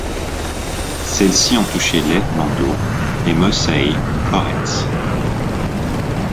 Celles-ci ont touché Lev Landau, et Moïsseï Korets.